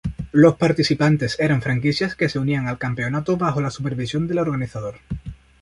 Los participantes eran franquicias que se unían al campeonato bajo la supervisión del organizador.